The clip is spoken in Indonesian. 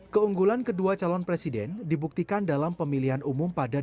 keunggulan kedua calon presiden dibuktikan dalam pemilihan umum pada delapan november